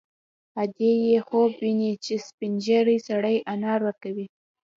ادې یې خوب ویني چې سپین ږیری سړی انار ورکوي